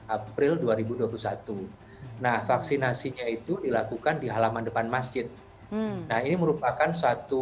abril hi satu nah vaksinasi itu dilakukan di halaman depan masjid nah ini merupakan satu